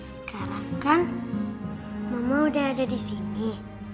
sekarang kan mama udah ada di sini